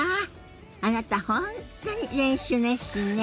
あなた本当に練習熱心ね。